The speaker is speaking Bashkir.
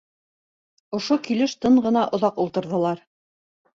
Ошо килеш тын ғына оҙаҡ ултырҙылар.